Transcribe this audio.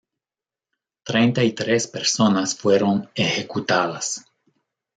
Treinta y tres personas fueron ejecutadas.